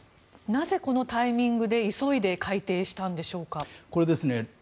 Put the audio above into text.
なぜこのタイミングで急いで改訂したんでしょうか。